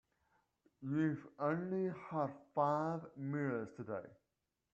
You've only had five meals today.